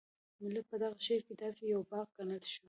ملت په دغه شعر کې داسې یو باغ ګڼل شوی.